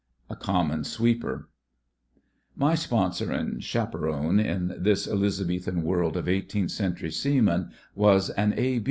"a common sweeper" My sponsor and chaperon in this Elizabethan world of eighteenth century seamen was an A.